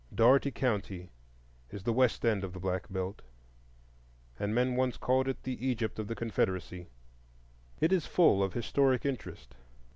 Dougherty County is the west end of the Black Belt, and men once called it the Egypt of the Confederacy. It is full of historic interest.